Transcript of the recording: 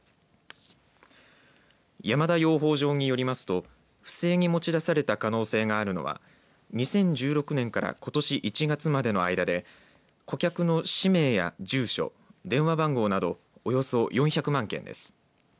山田養蜂場によりますと不正に持ち出された可能性があるのは２０１６年からことし１月までの間で顧客の氏名や住所電話番号などおよそ４００万件です。